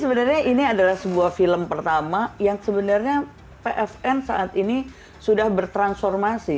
sebenarnya ini adalah sebuah film pertama yang sebenarnya pfn saat ini sudah bertransformasi